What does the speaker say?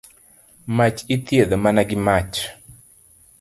Mach ithiedho mana gi mach.